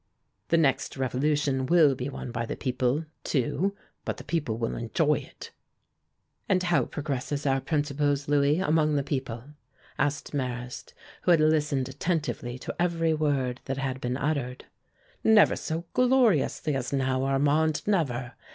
The next revolution will be won by the people, too, but the people will enjoy it!" "And how progresses our principles, Louis, among the people?" asked Marrast, who had listened attentively to every word that had been uttered. "Never so gloriously as now, Armand, never!